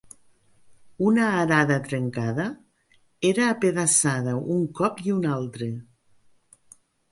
Una arada trencada, era apedaçada, un cop i un altre